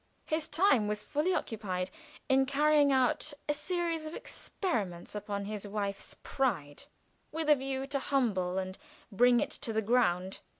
His time was fully occupied in carrying out a series of experiments upon his wife's pride, with a view to humble and bring it to the ground.